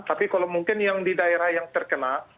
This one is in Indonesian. tapi kalau mungkin yang di daerah yang terkena